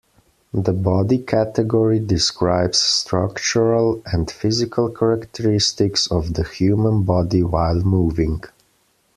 The body category describes structural and physical characteristics of the human body while moving.